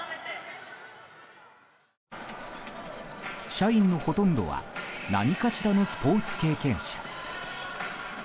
社員のほとんどは何かしらのスポーツ経験者。